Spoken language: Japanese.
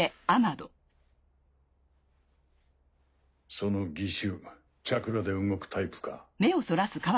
その義手チャクラで動くタイプか？